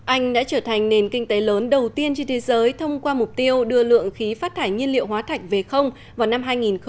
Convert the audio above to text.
anh đã trở thành nền kinh tế lớn đầu tiên trên thế giới thông qua mục tiêu đưa lượng khí phát thải nhiên liệu hóa thạch về vào năm hai nghìn ba mươi